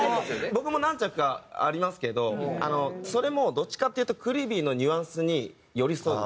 僕も何着かありますけどそれもどっちかっていうとＣＬＩＥＶＹのニュアンスに寄り添う。